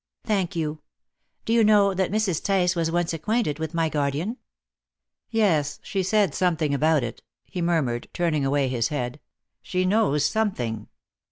"Thank you. Do you know that Mrs. Tice was once acquainted with my guardian?" "Yes; she said something about it," he murmured, turning away his head; "she knows something."